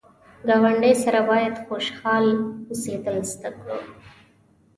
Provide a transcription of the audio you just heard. ګاونډي سره باید خوشحال اوسېدل زده کړو